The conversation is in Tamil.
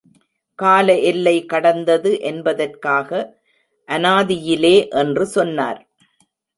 கால எல்லை கடந்தது என்பதற்காக, அநாதியிலே என்று சொன்னார்.